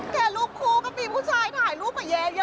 แค่รูปครูก็เป็นผู้ชายถ่ายรูปแยะไป